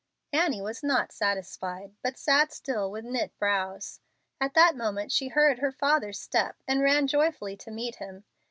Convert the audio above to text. Annie was not satisfied, but sat still with knit brows. At that moment she heard her father's step and ran joyfully to meet him.